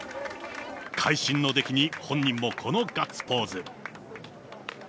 会心の出来に、本人もこのガッツポーズ。